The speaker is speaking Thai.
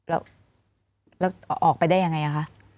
แล้วออกไปได้ยังไงคะ